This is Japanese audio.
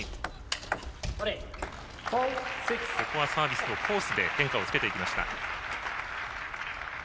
ここはサービスをコースで変化をつけていきました。